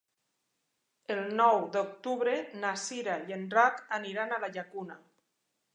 El nou d'octubre na Cira i en Drac aniran a la Llacuna.